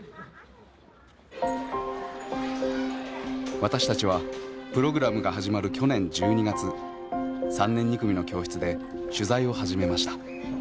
私たちはプログラムが始まる去年１２月３年２組の教室で取材を始めました。